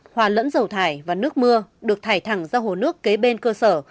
hòa lẫn dầu thải và nước mưa được thải thẳng ra hồ nước kế bên cơ sở